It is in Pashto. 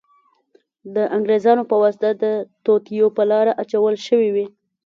د انګریزانو په واسطه د توطیو په لار اچول شوې وې.